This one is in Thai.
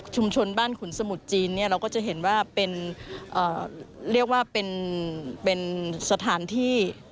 ชุมชนบ้านขุนสมุทรจีนเราก็จะเห็นว่าเป็นสถานที่